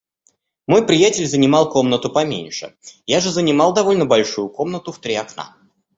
Мой приятель занимал комнату поменьше, я же занимал довольно большую комнату, в три окна.